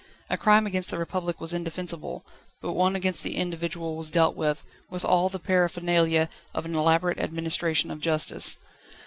A crime against the Republic was indefensible, but one against the individual was dealt with, with all the paraphernalia of an elaborate administration of justice.